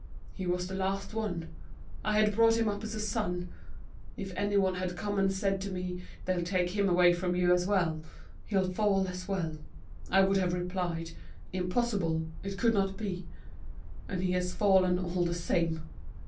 He was the last one. I had brought him up as a son. If anyone had come and said to me, 'They'll take him away from you as well; he'll fall as well,' I would have replied, 'Impossible, it could not be.' And he has fallen all the same!